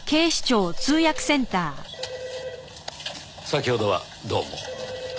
先ほどはどうも。